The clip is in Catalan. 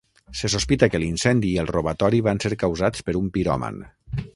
Se sospita que l'incendi i el robatori van ser causats per un piròman.